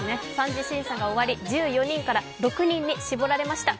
３次審査が終わり、１４人から６人に絞られました。